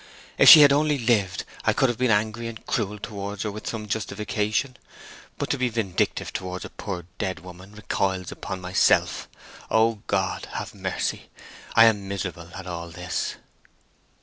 If she had only lived, I could have been angry and cruel towards her with some justification; but to be vindictive towards a poor dead woman recoils upon myself. O God, have mercy! I am miserable at all this!"